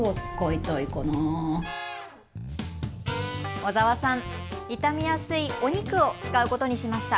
小澤さん、傷みやすいお肉を使うことにしました。